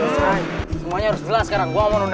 semuanya harus jelas sekarang gue mau nunda nunda